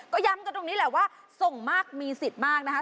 ก็ย้ำกันตรงนี้แหละว่าส่งมากมีสิทธิ์มากนะคะ